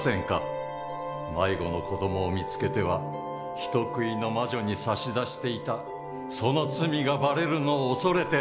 迷子の子どもを見つけては人食いの魔女に差し出していたその罪がばれるのを恐れて！